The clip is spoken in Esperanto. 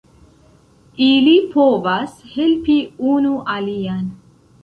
Ili povas helpi unu alian.